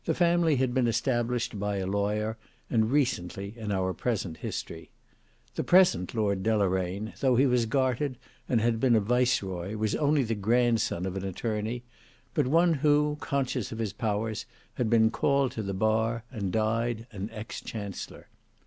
The family had been established by a lawyer, and recently in our history. The present Lord Deloraine, though he was gartered and had been a viceroy, was only the grandson of an attorney, but one who, conscious of his powers, had been called to the bar and died an ex chancellor.